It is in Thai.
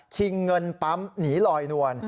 เงินปั๊มหนีลอยนวล